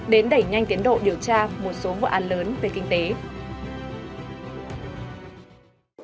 đến đẩy nhanh tiến độ điều tra một số vụ an lớn về kinh tế